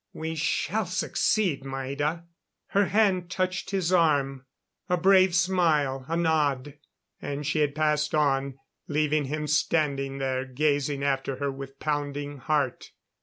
"We shall succeed, Maida." Her hand touched his arm. A brave smile, a nod, and she had passed on, leaving him standing there gazing after her with pounding heart.